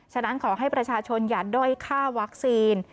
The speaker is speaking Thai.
ฉะนั้นขอให้ประชาชนอย่าด้อยค่าวัคซีน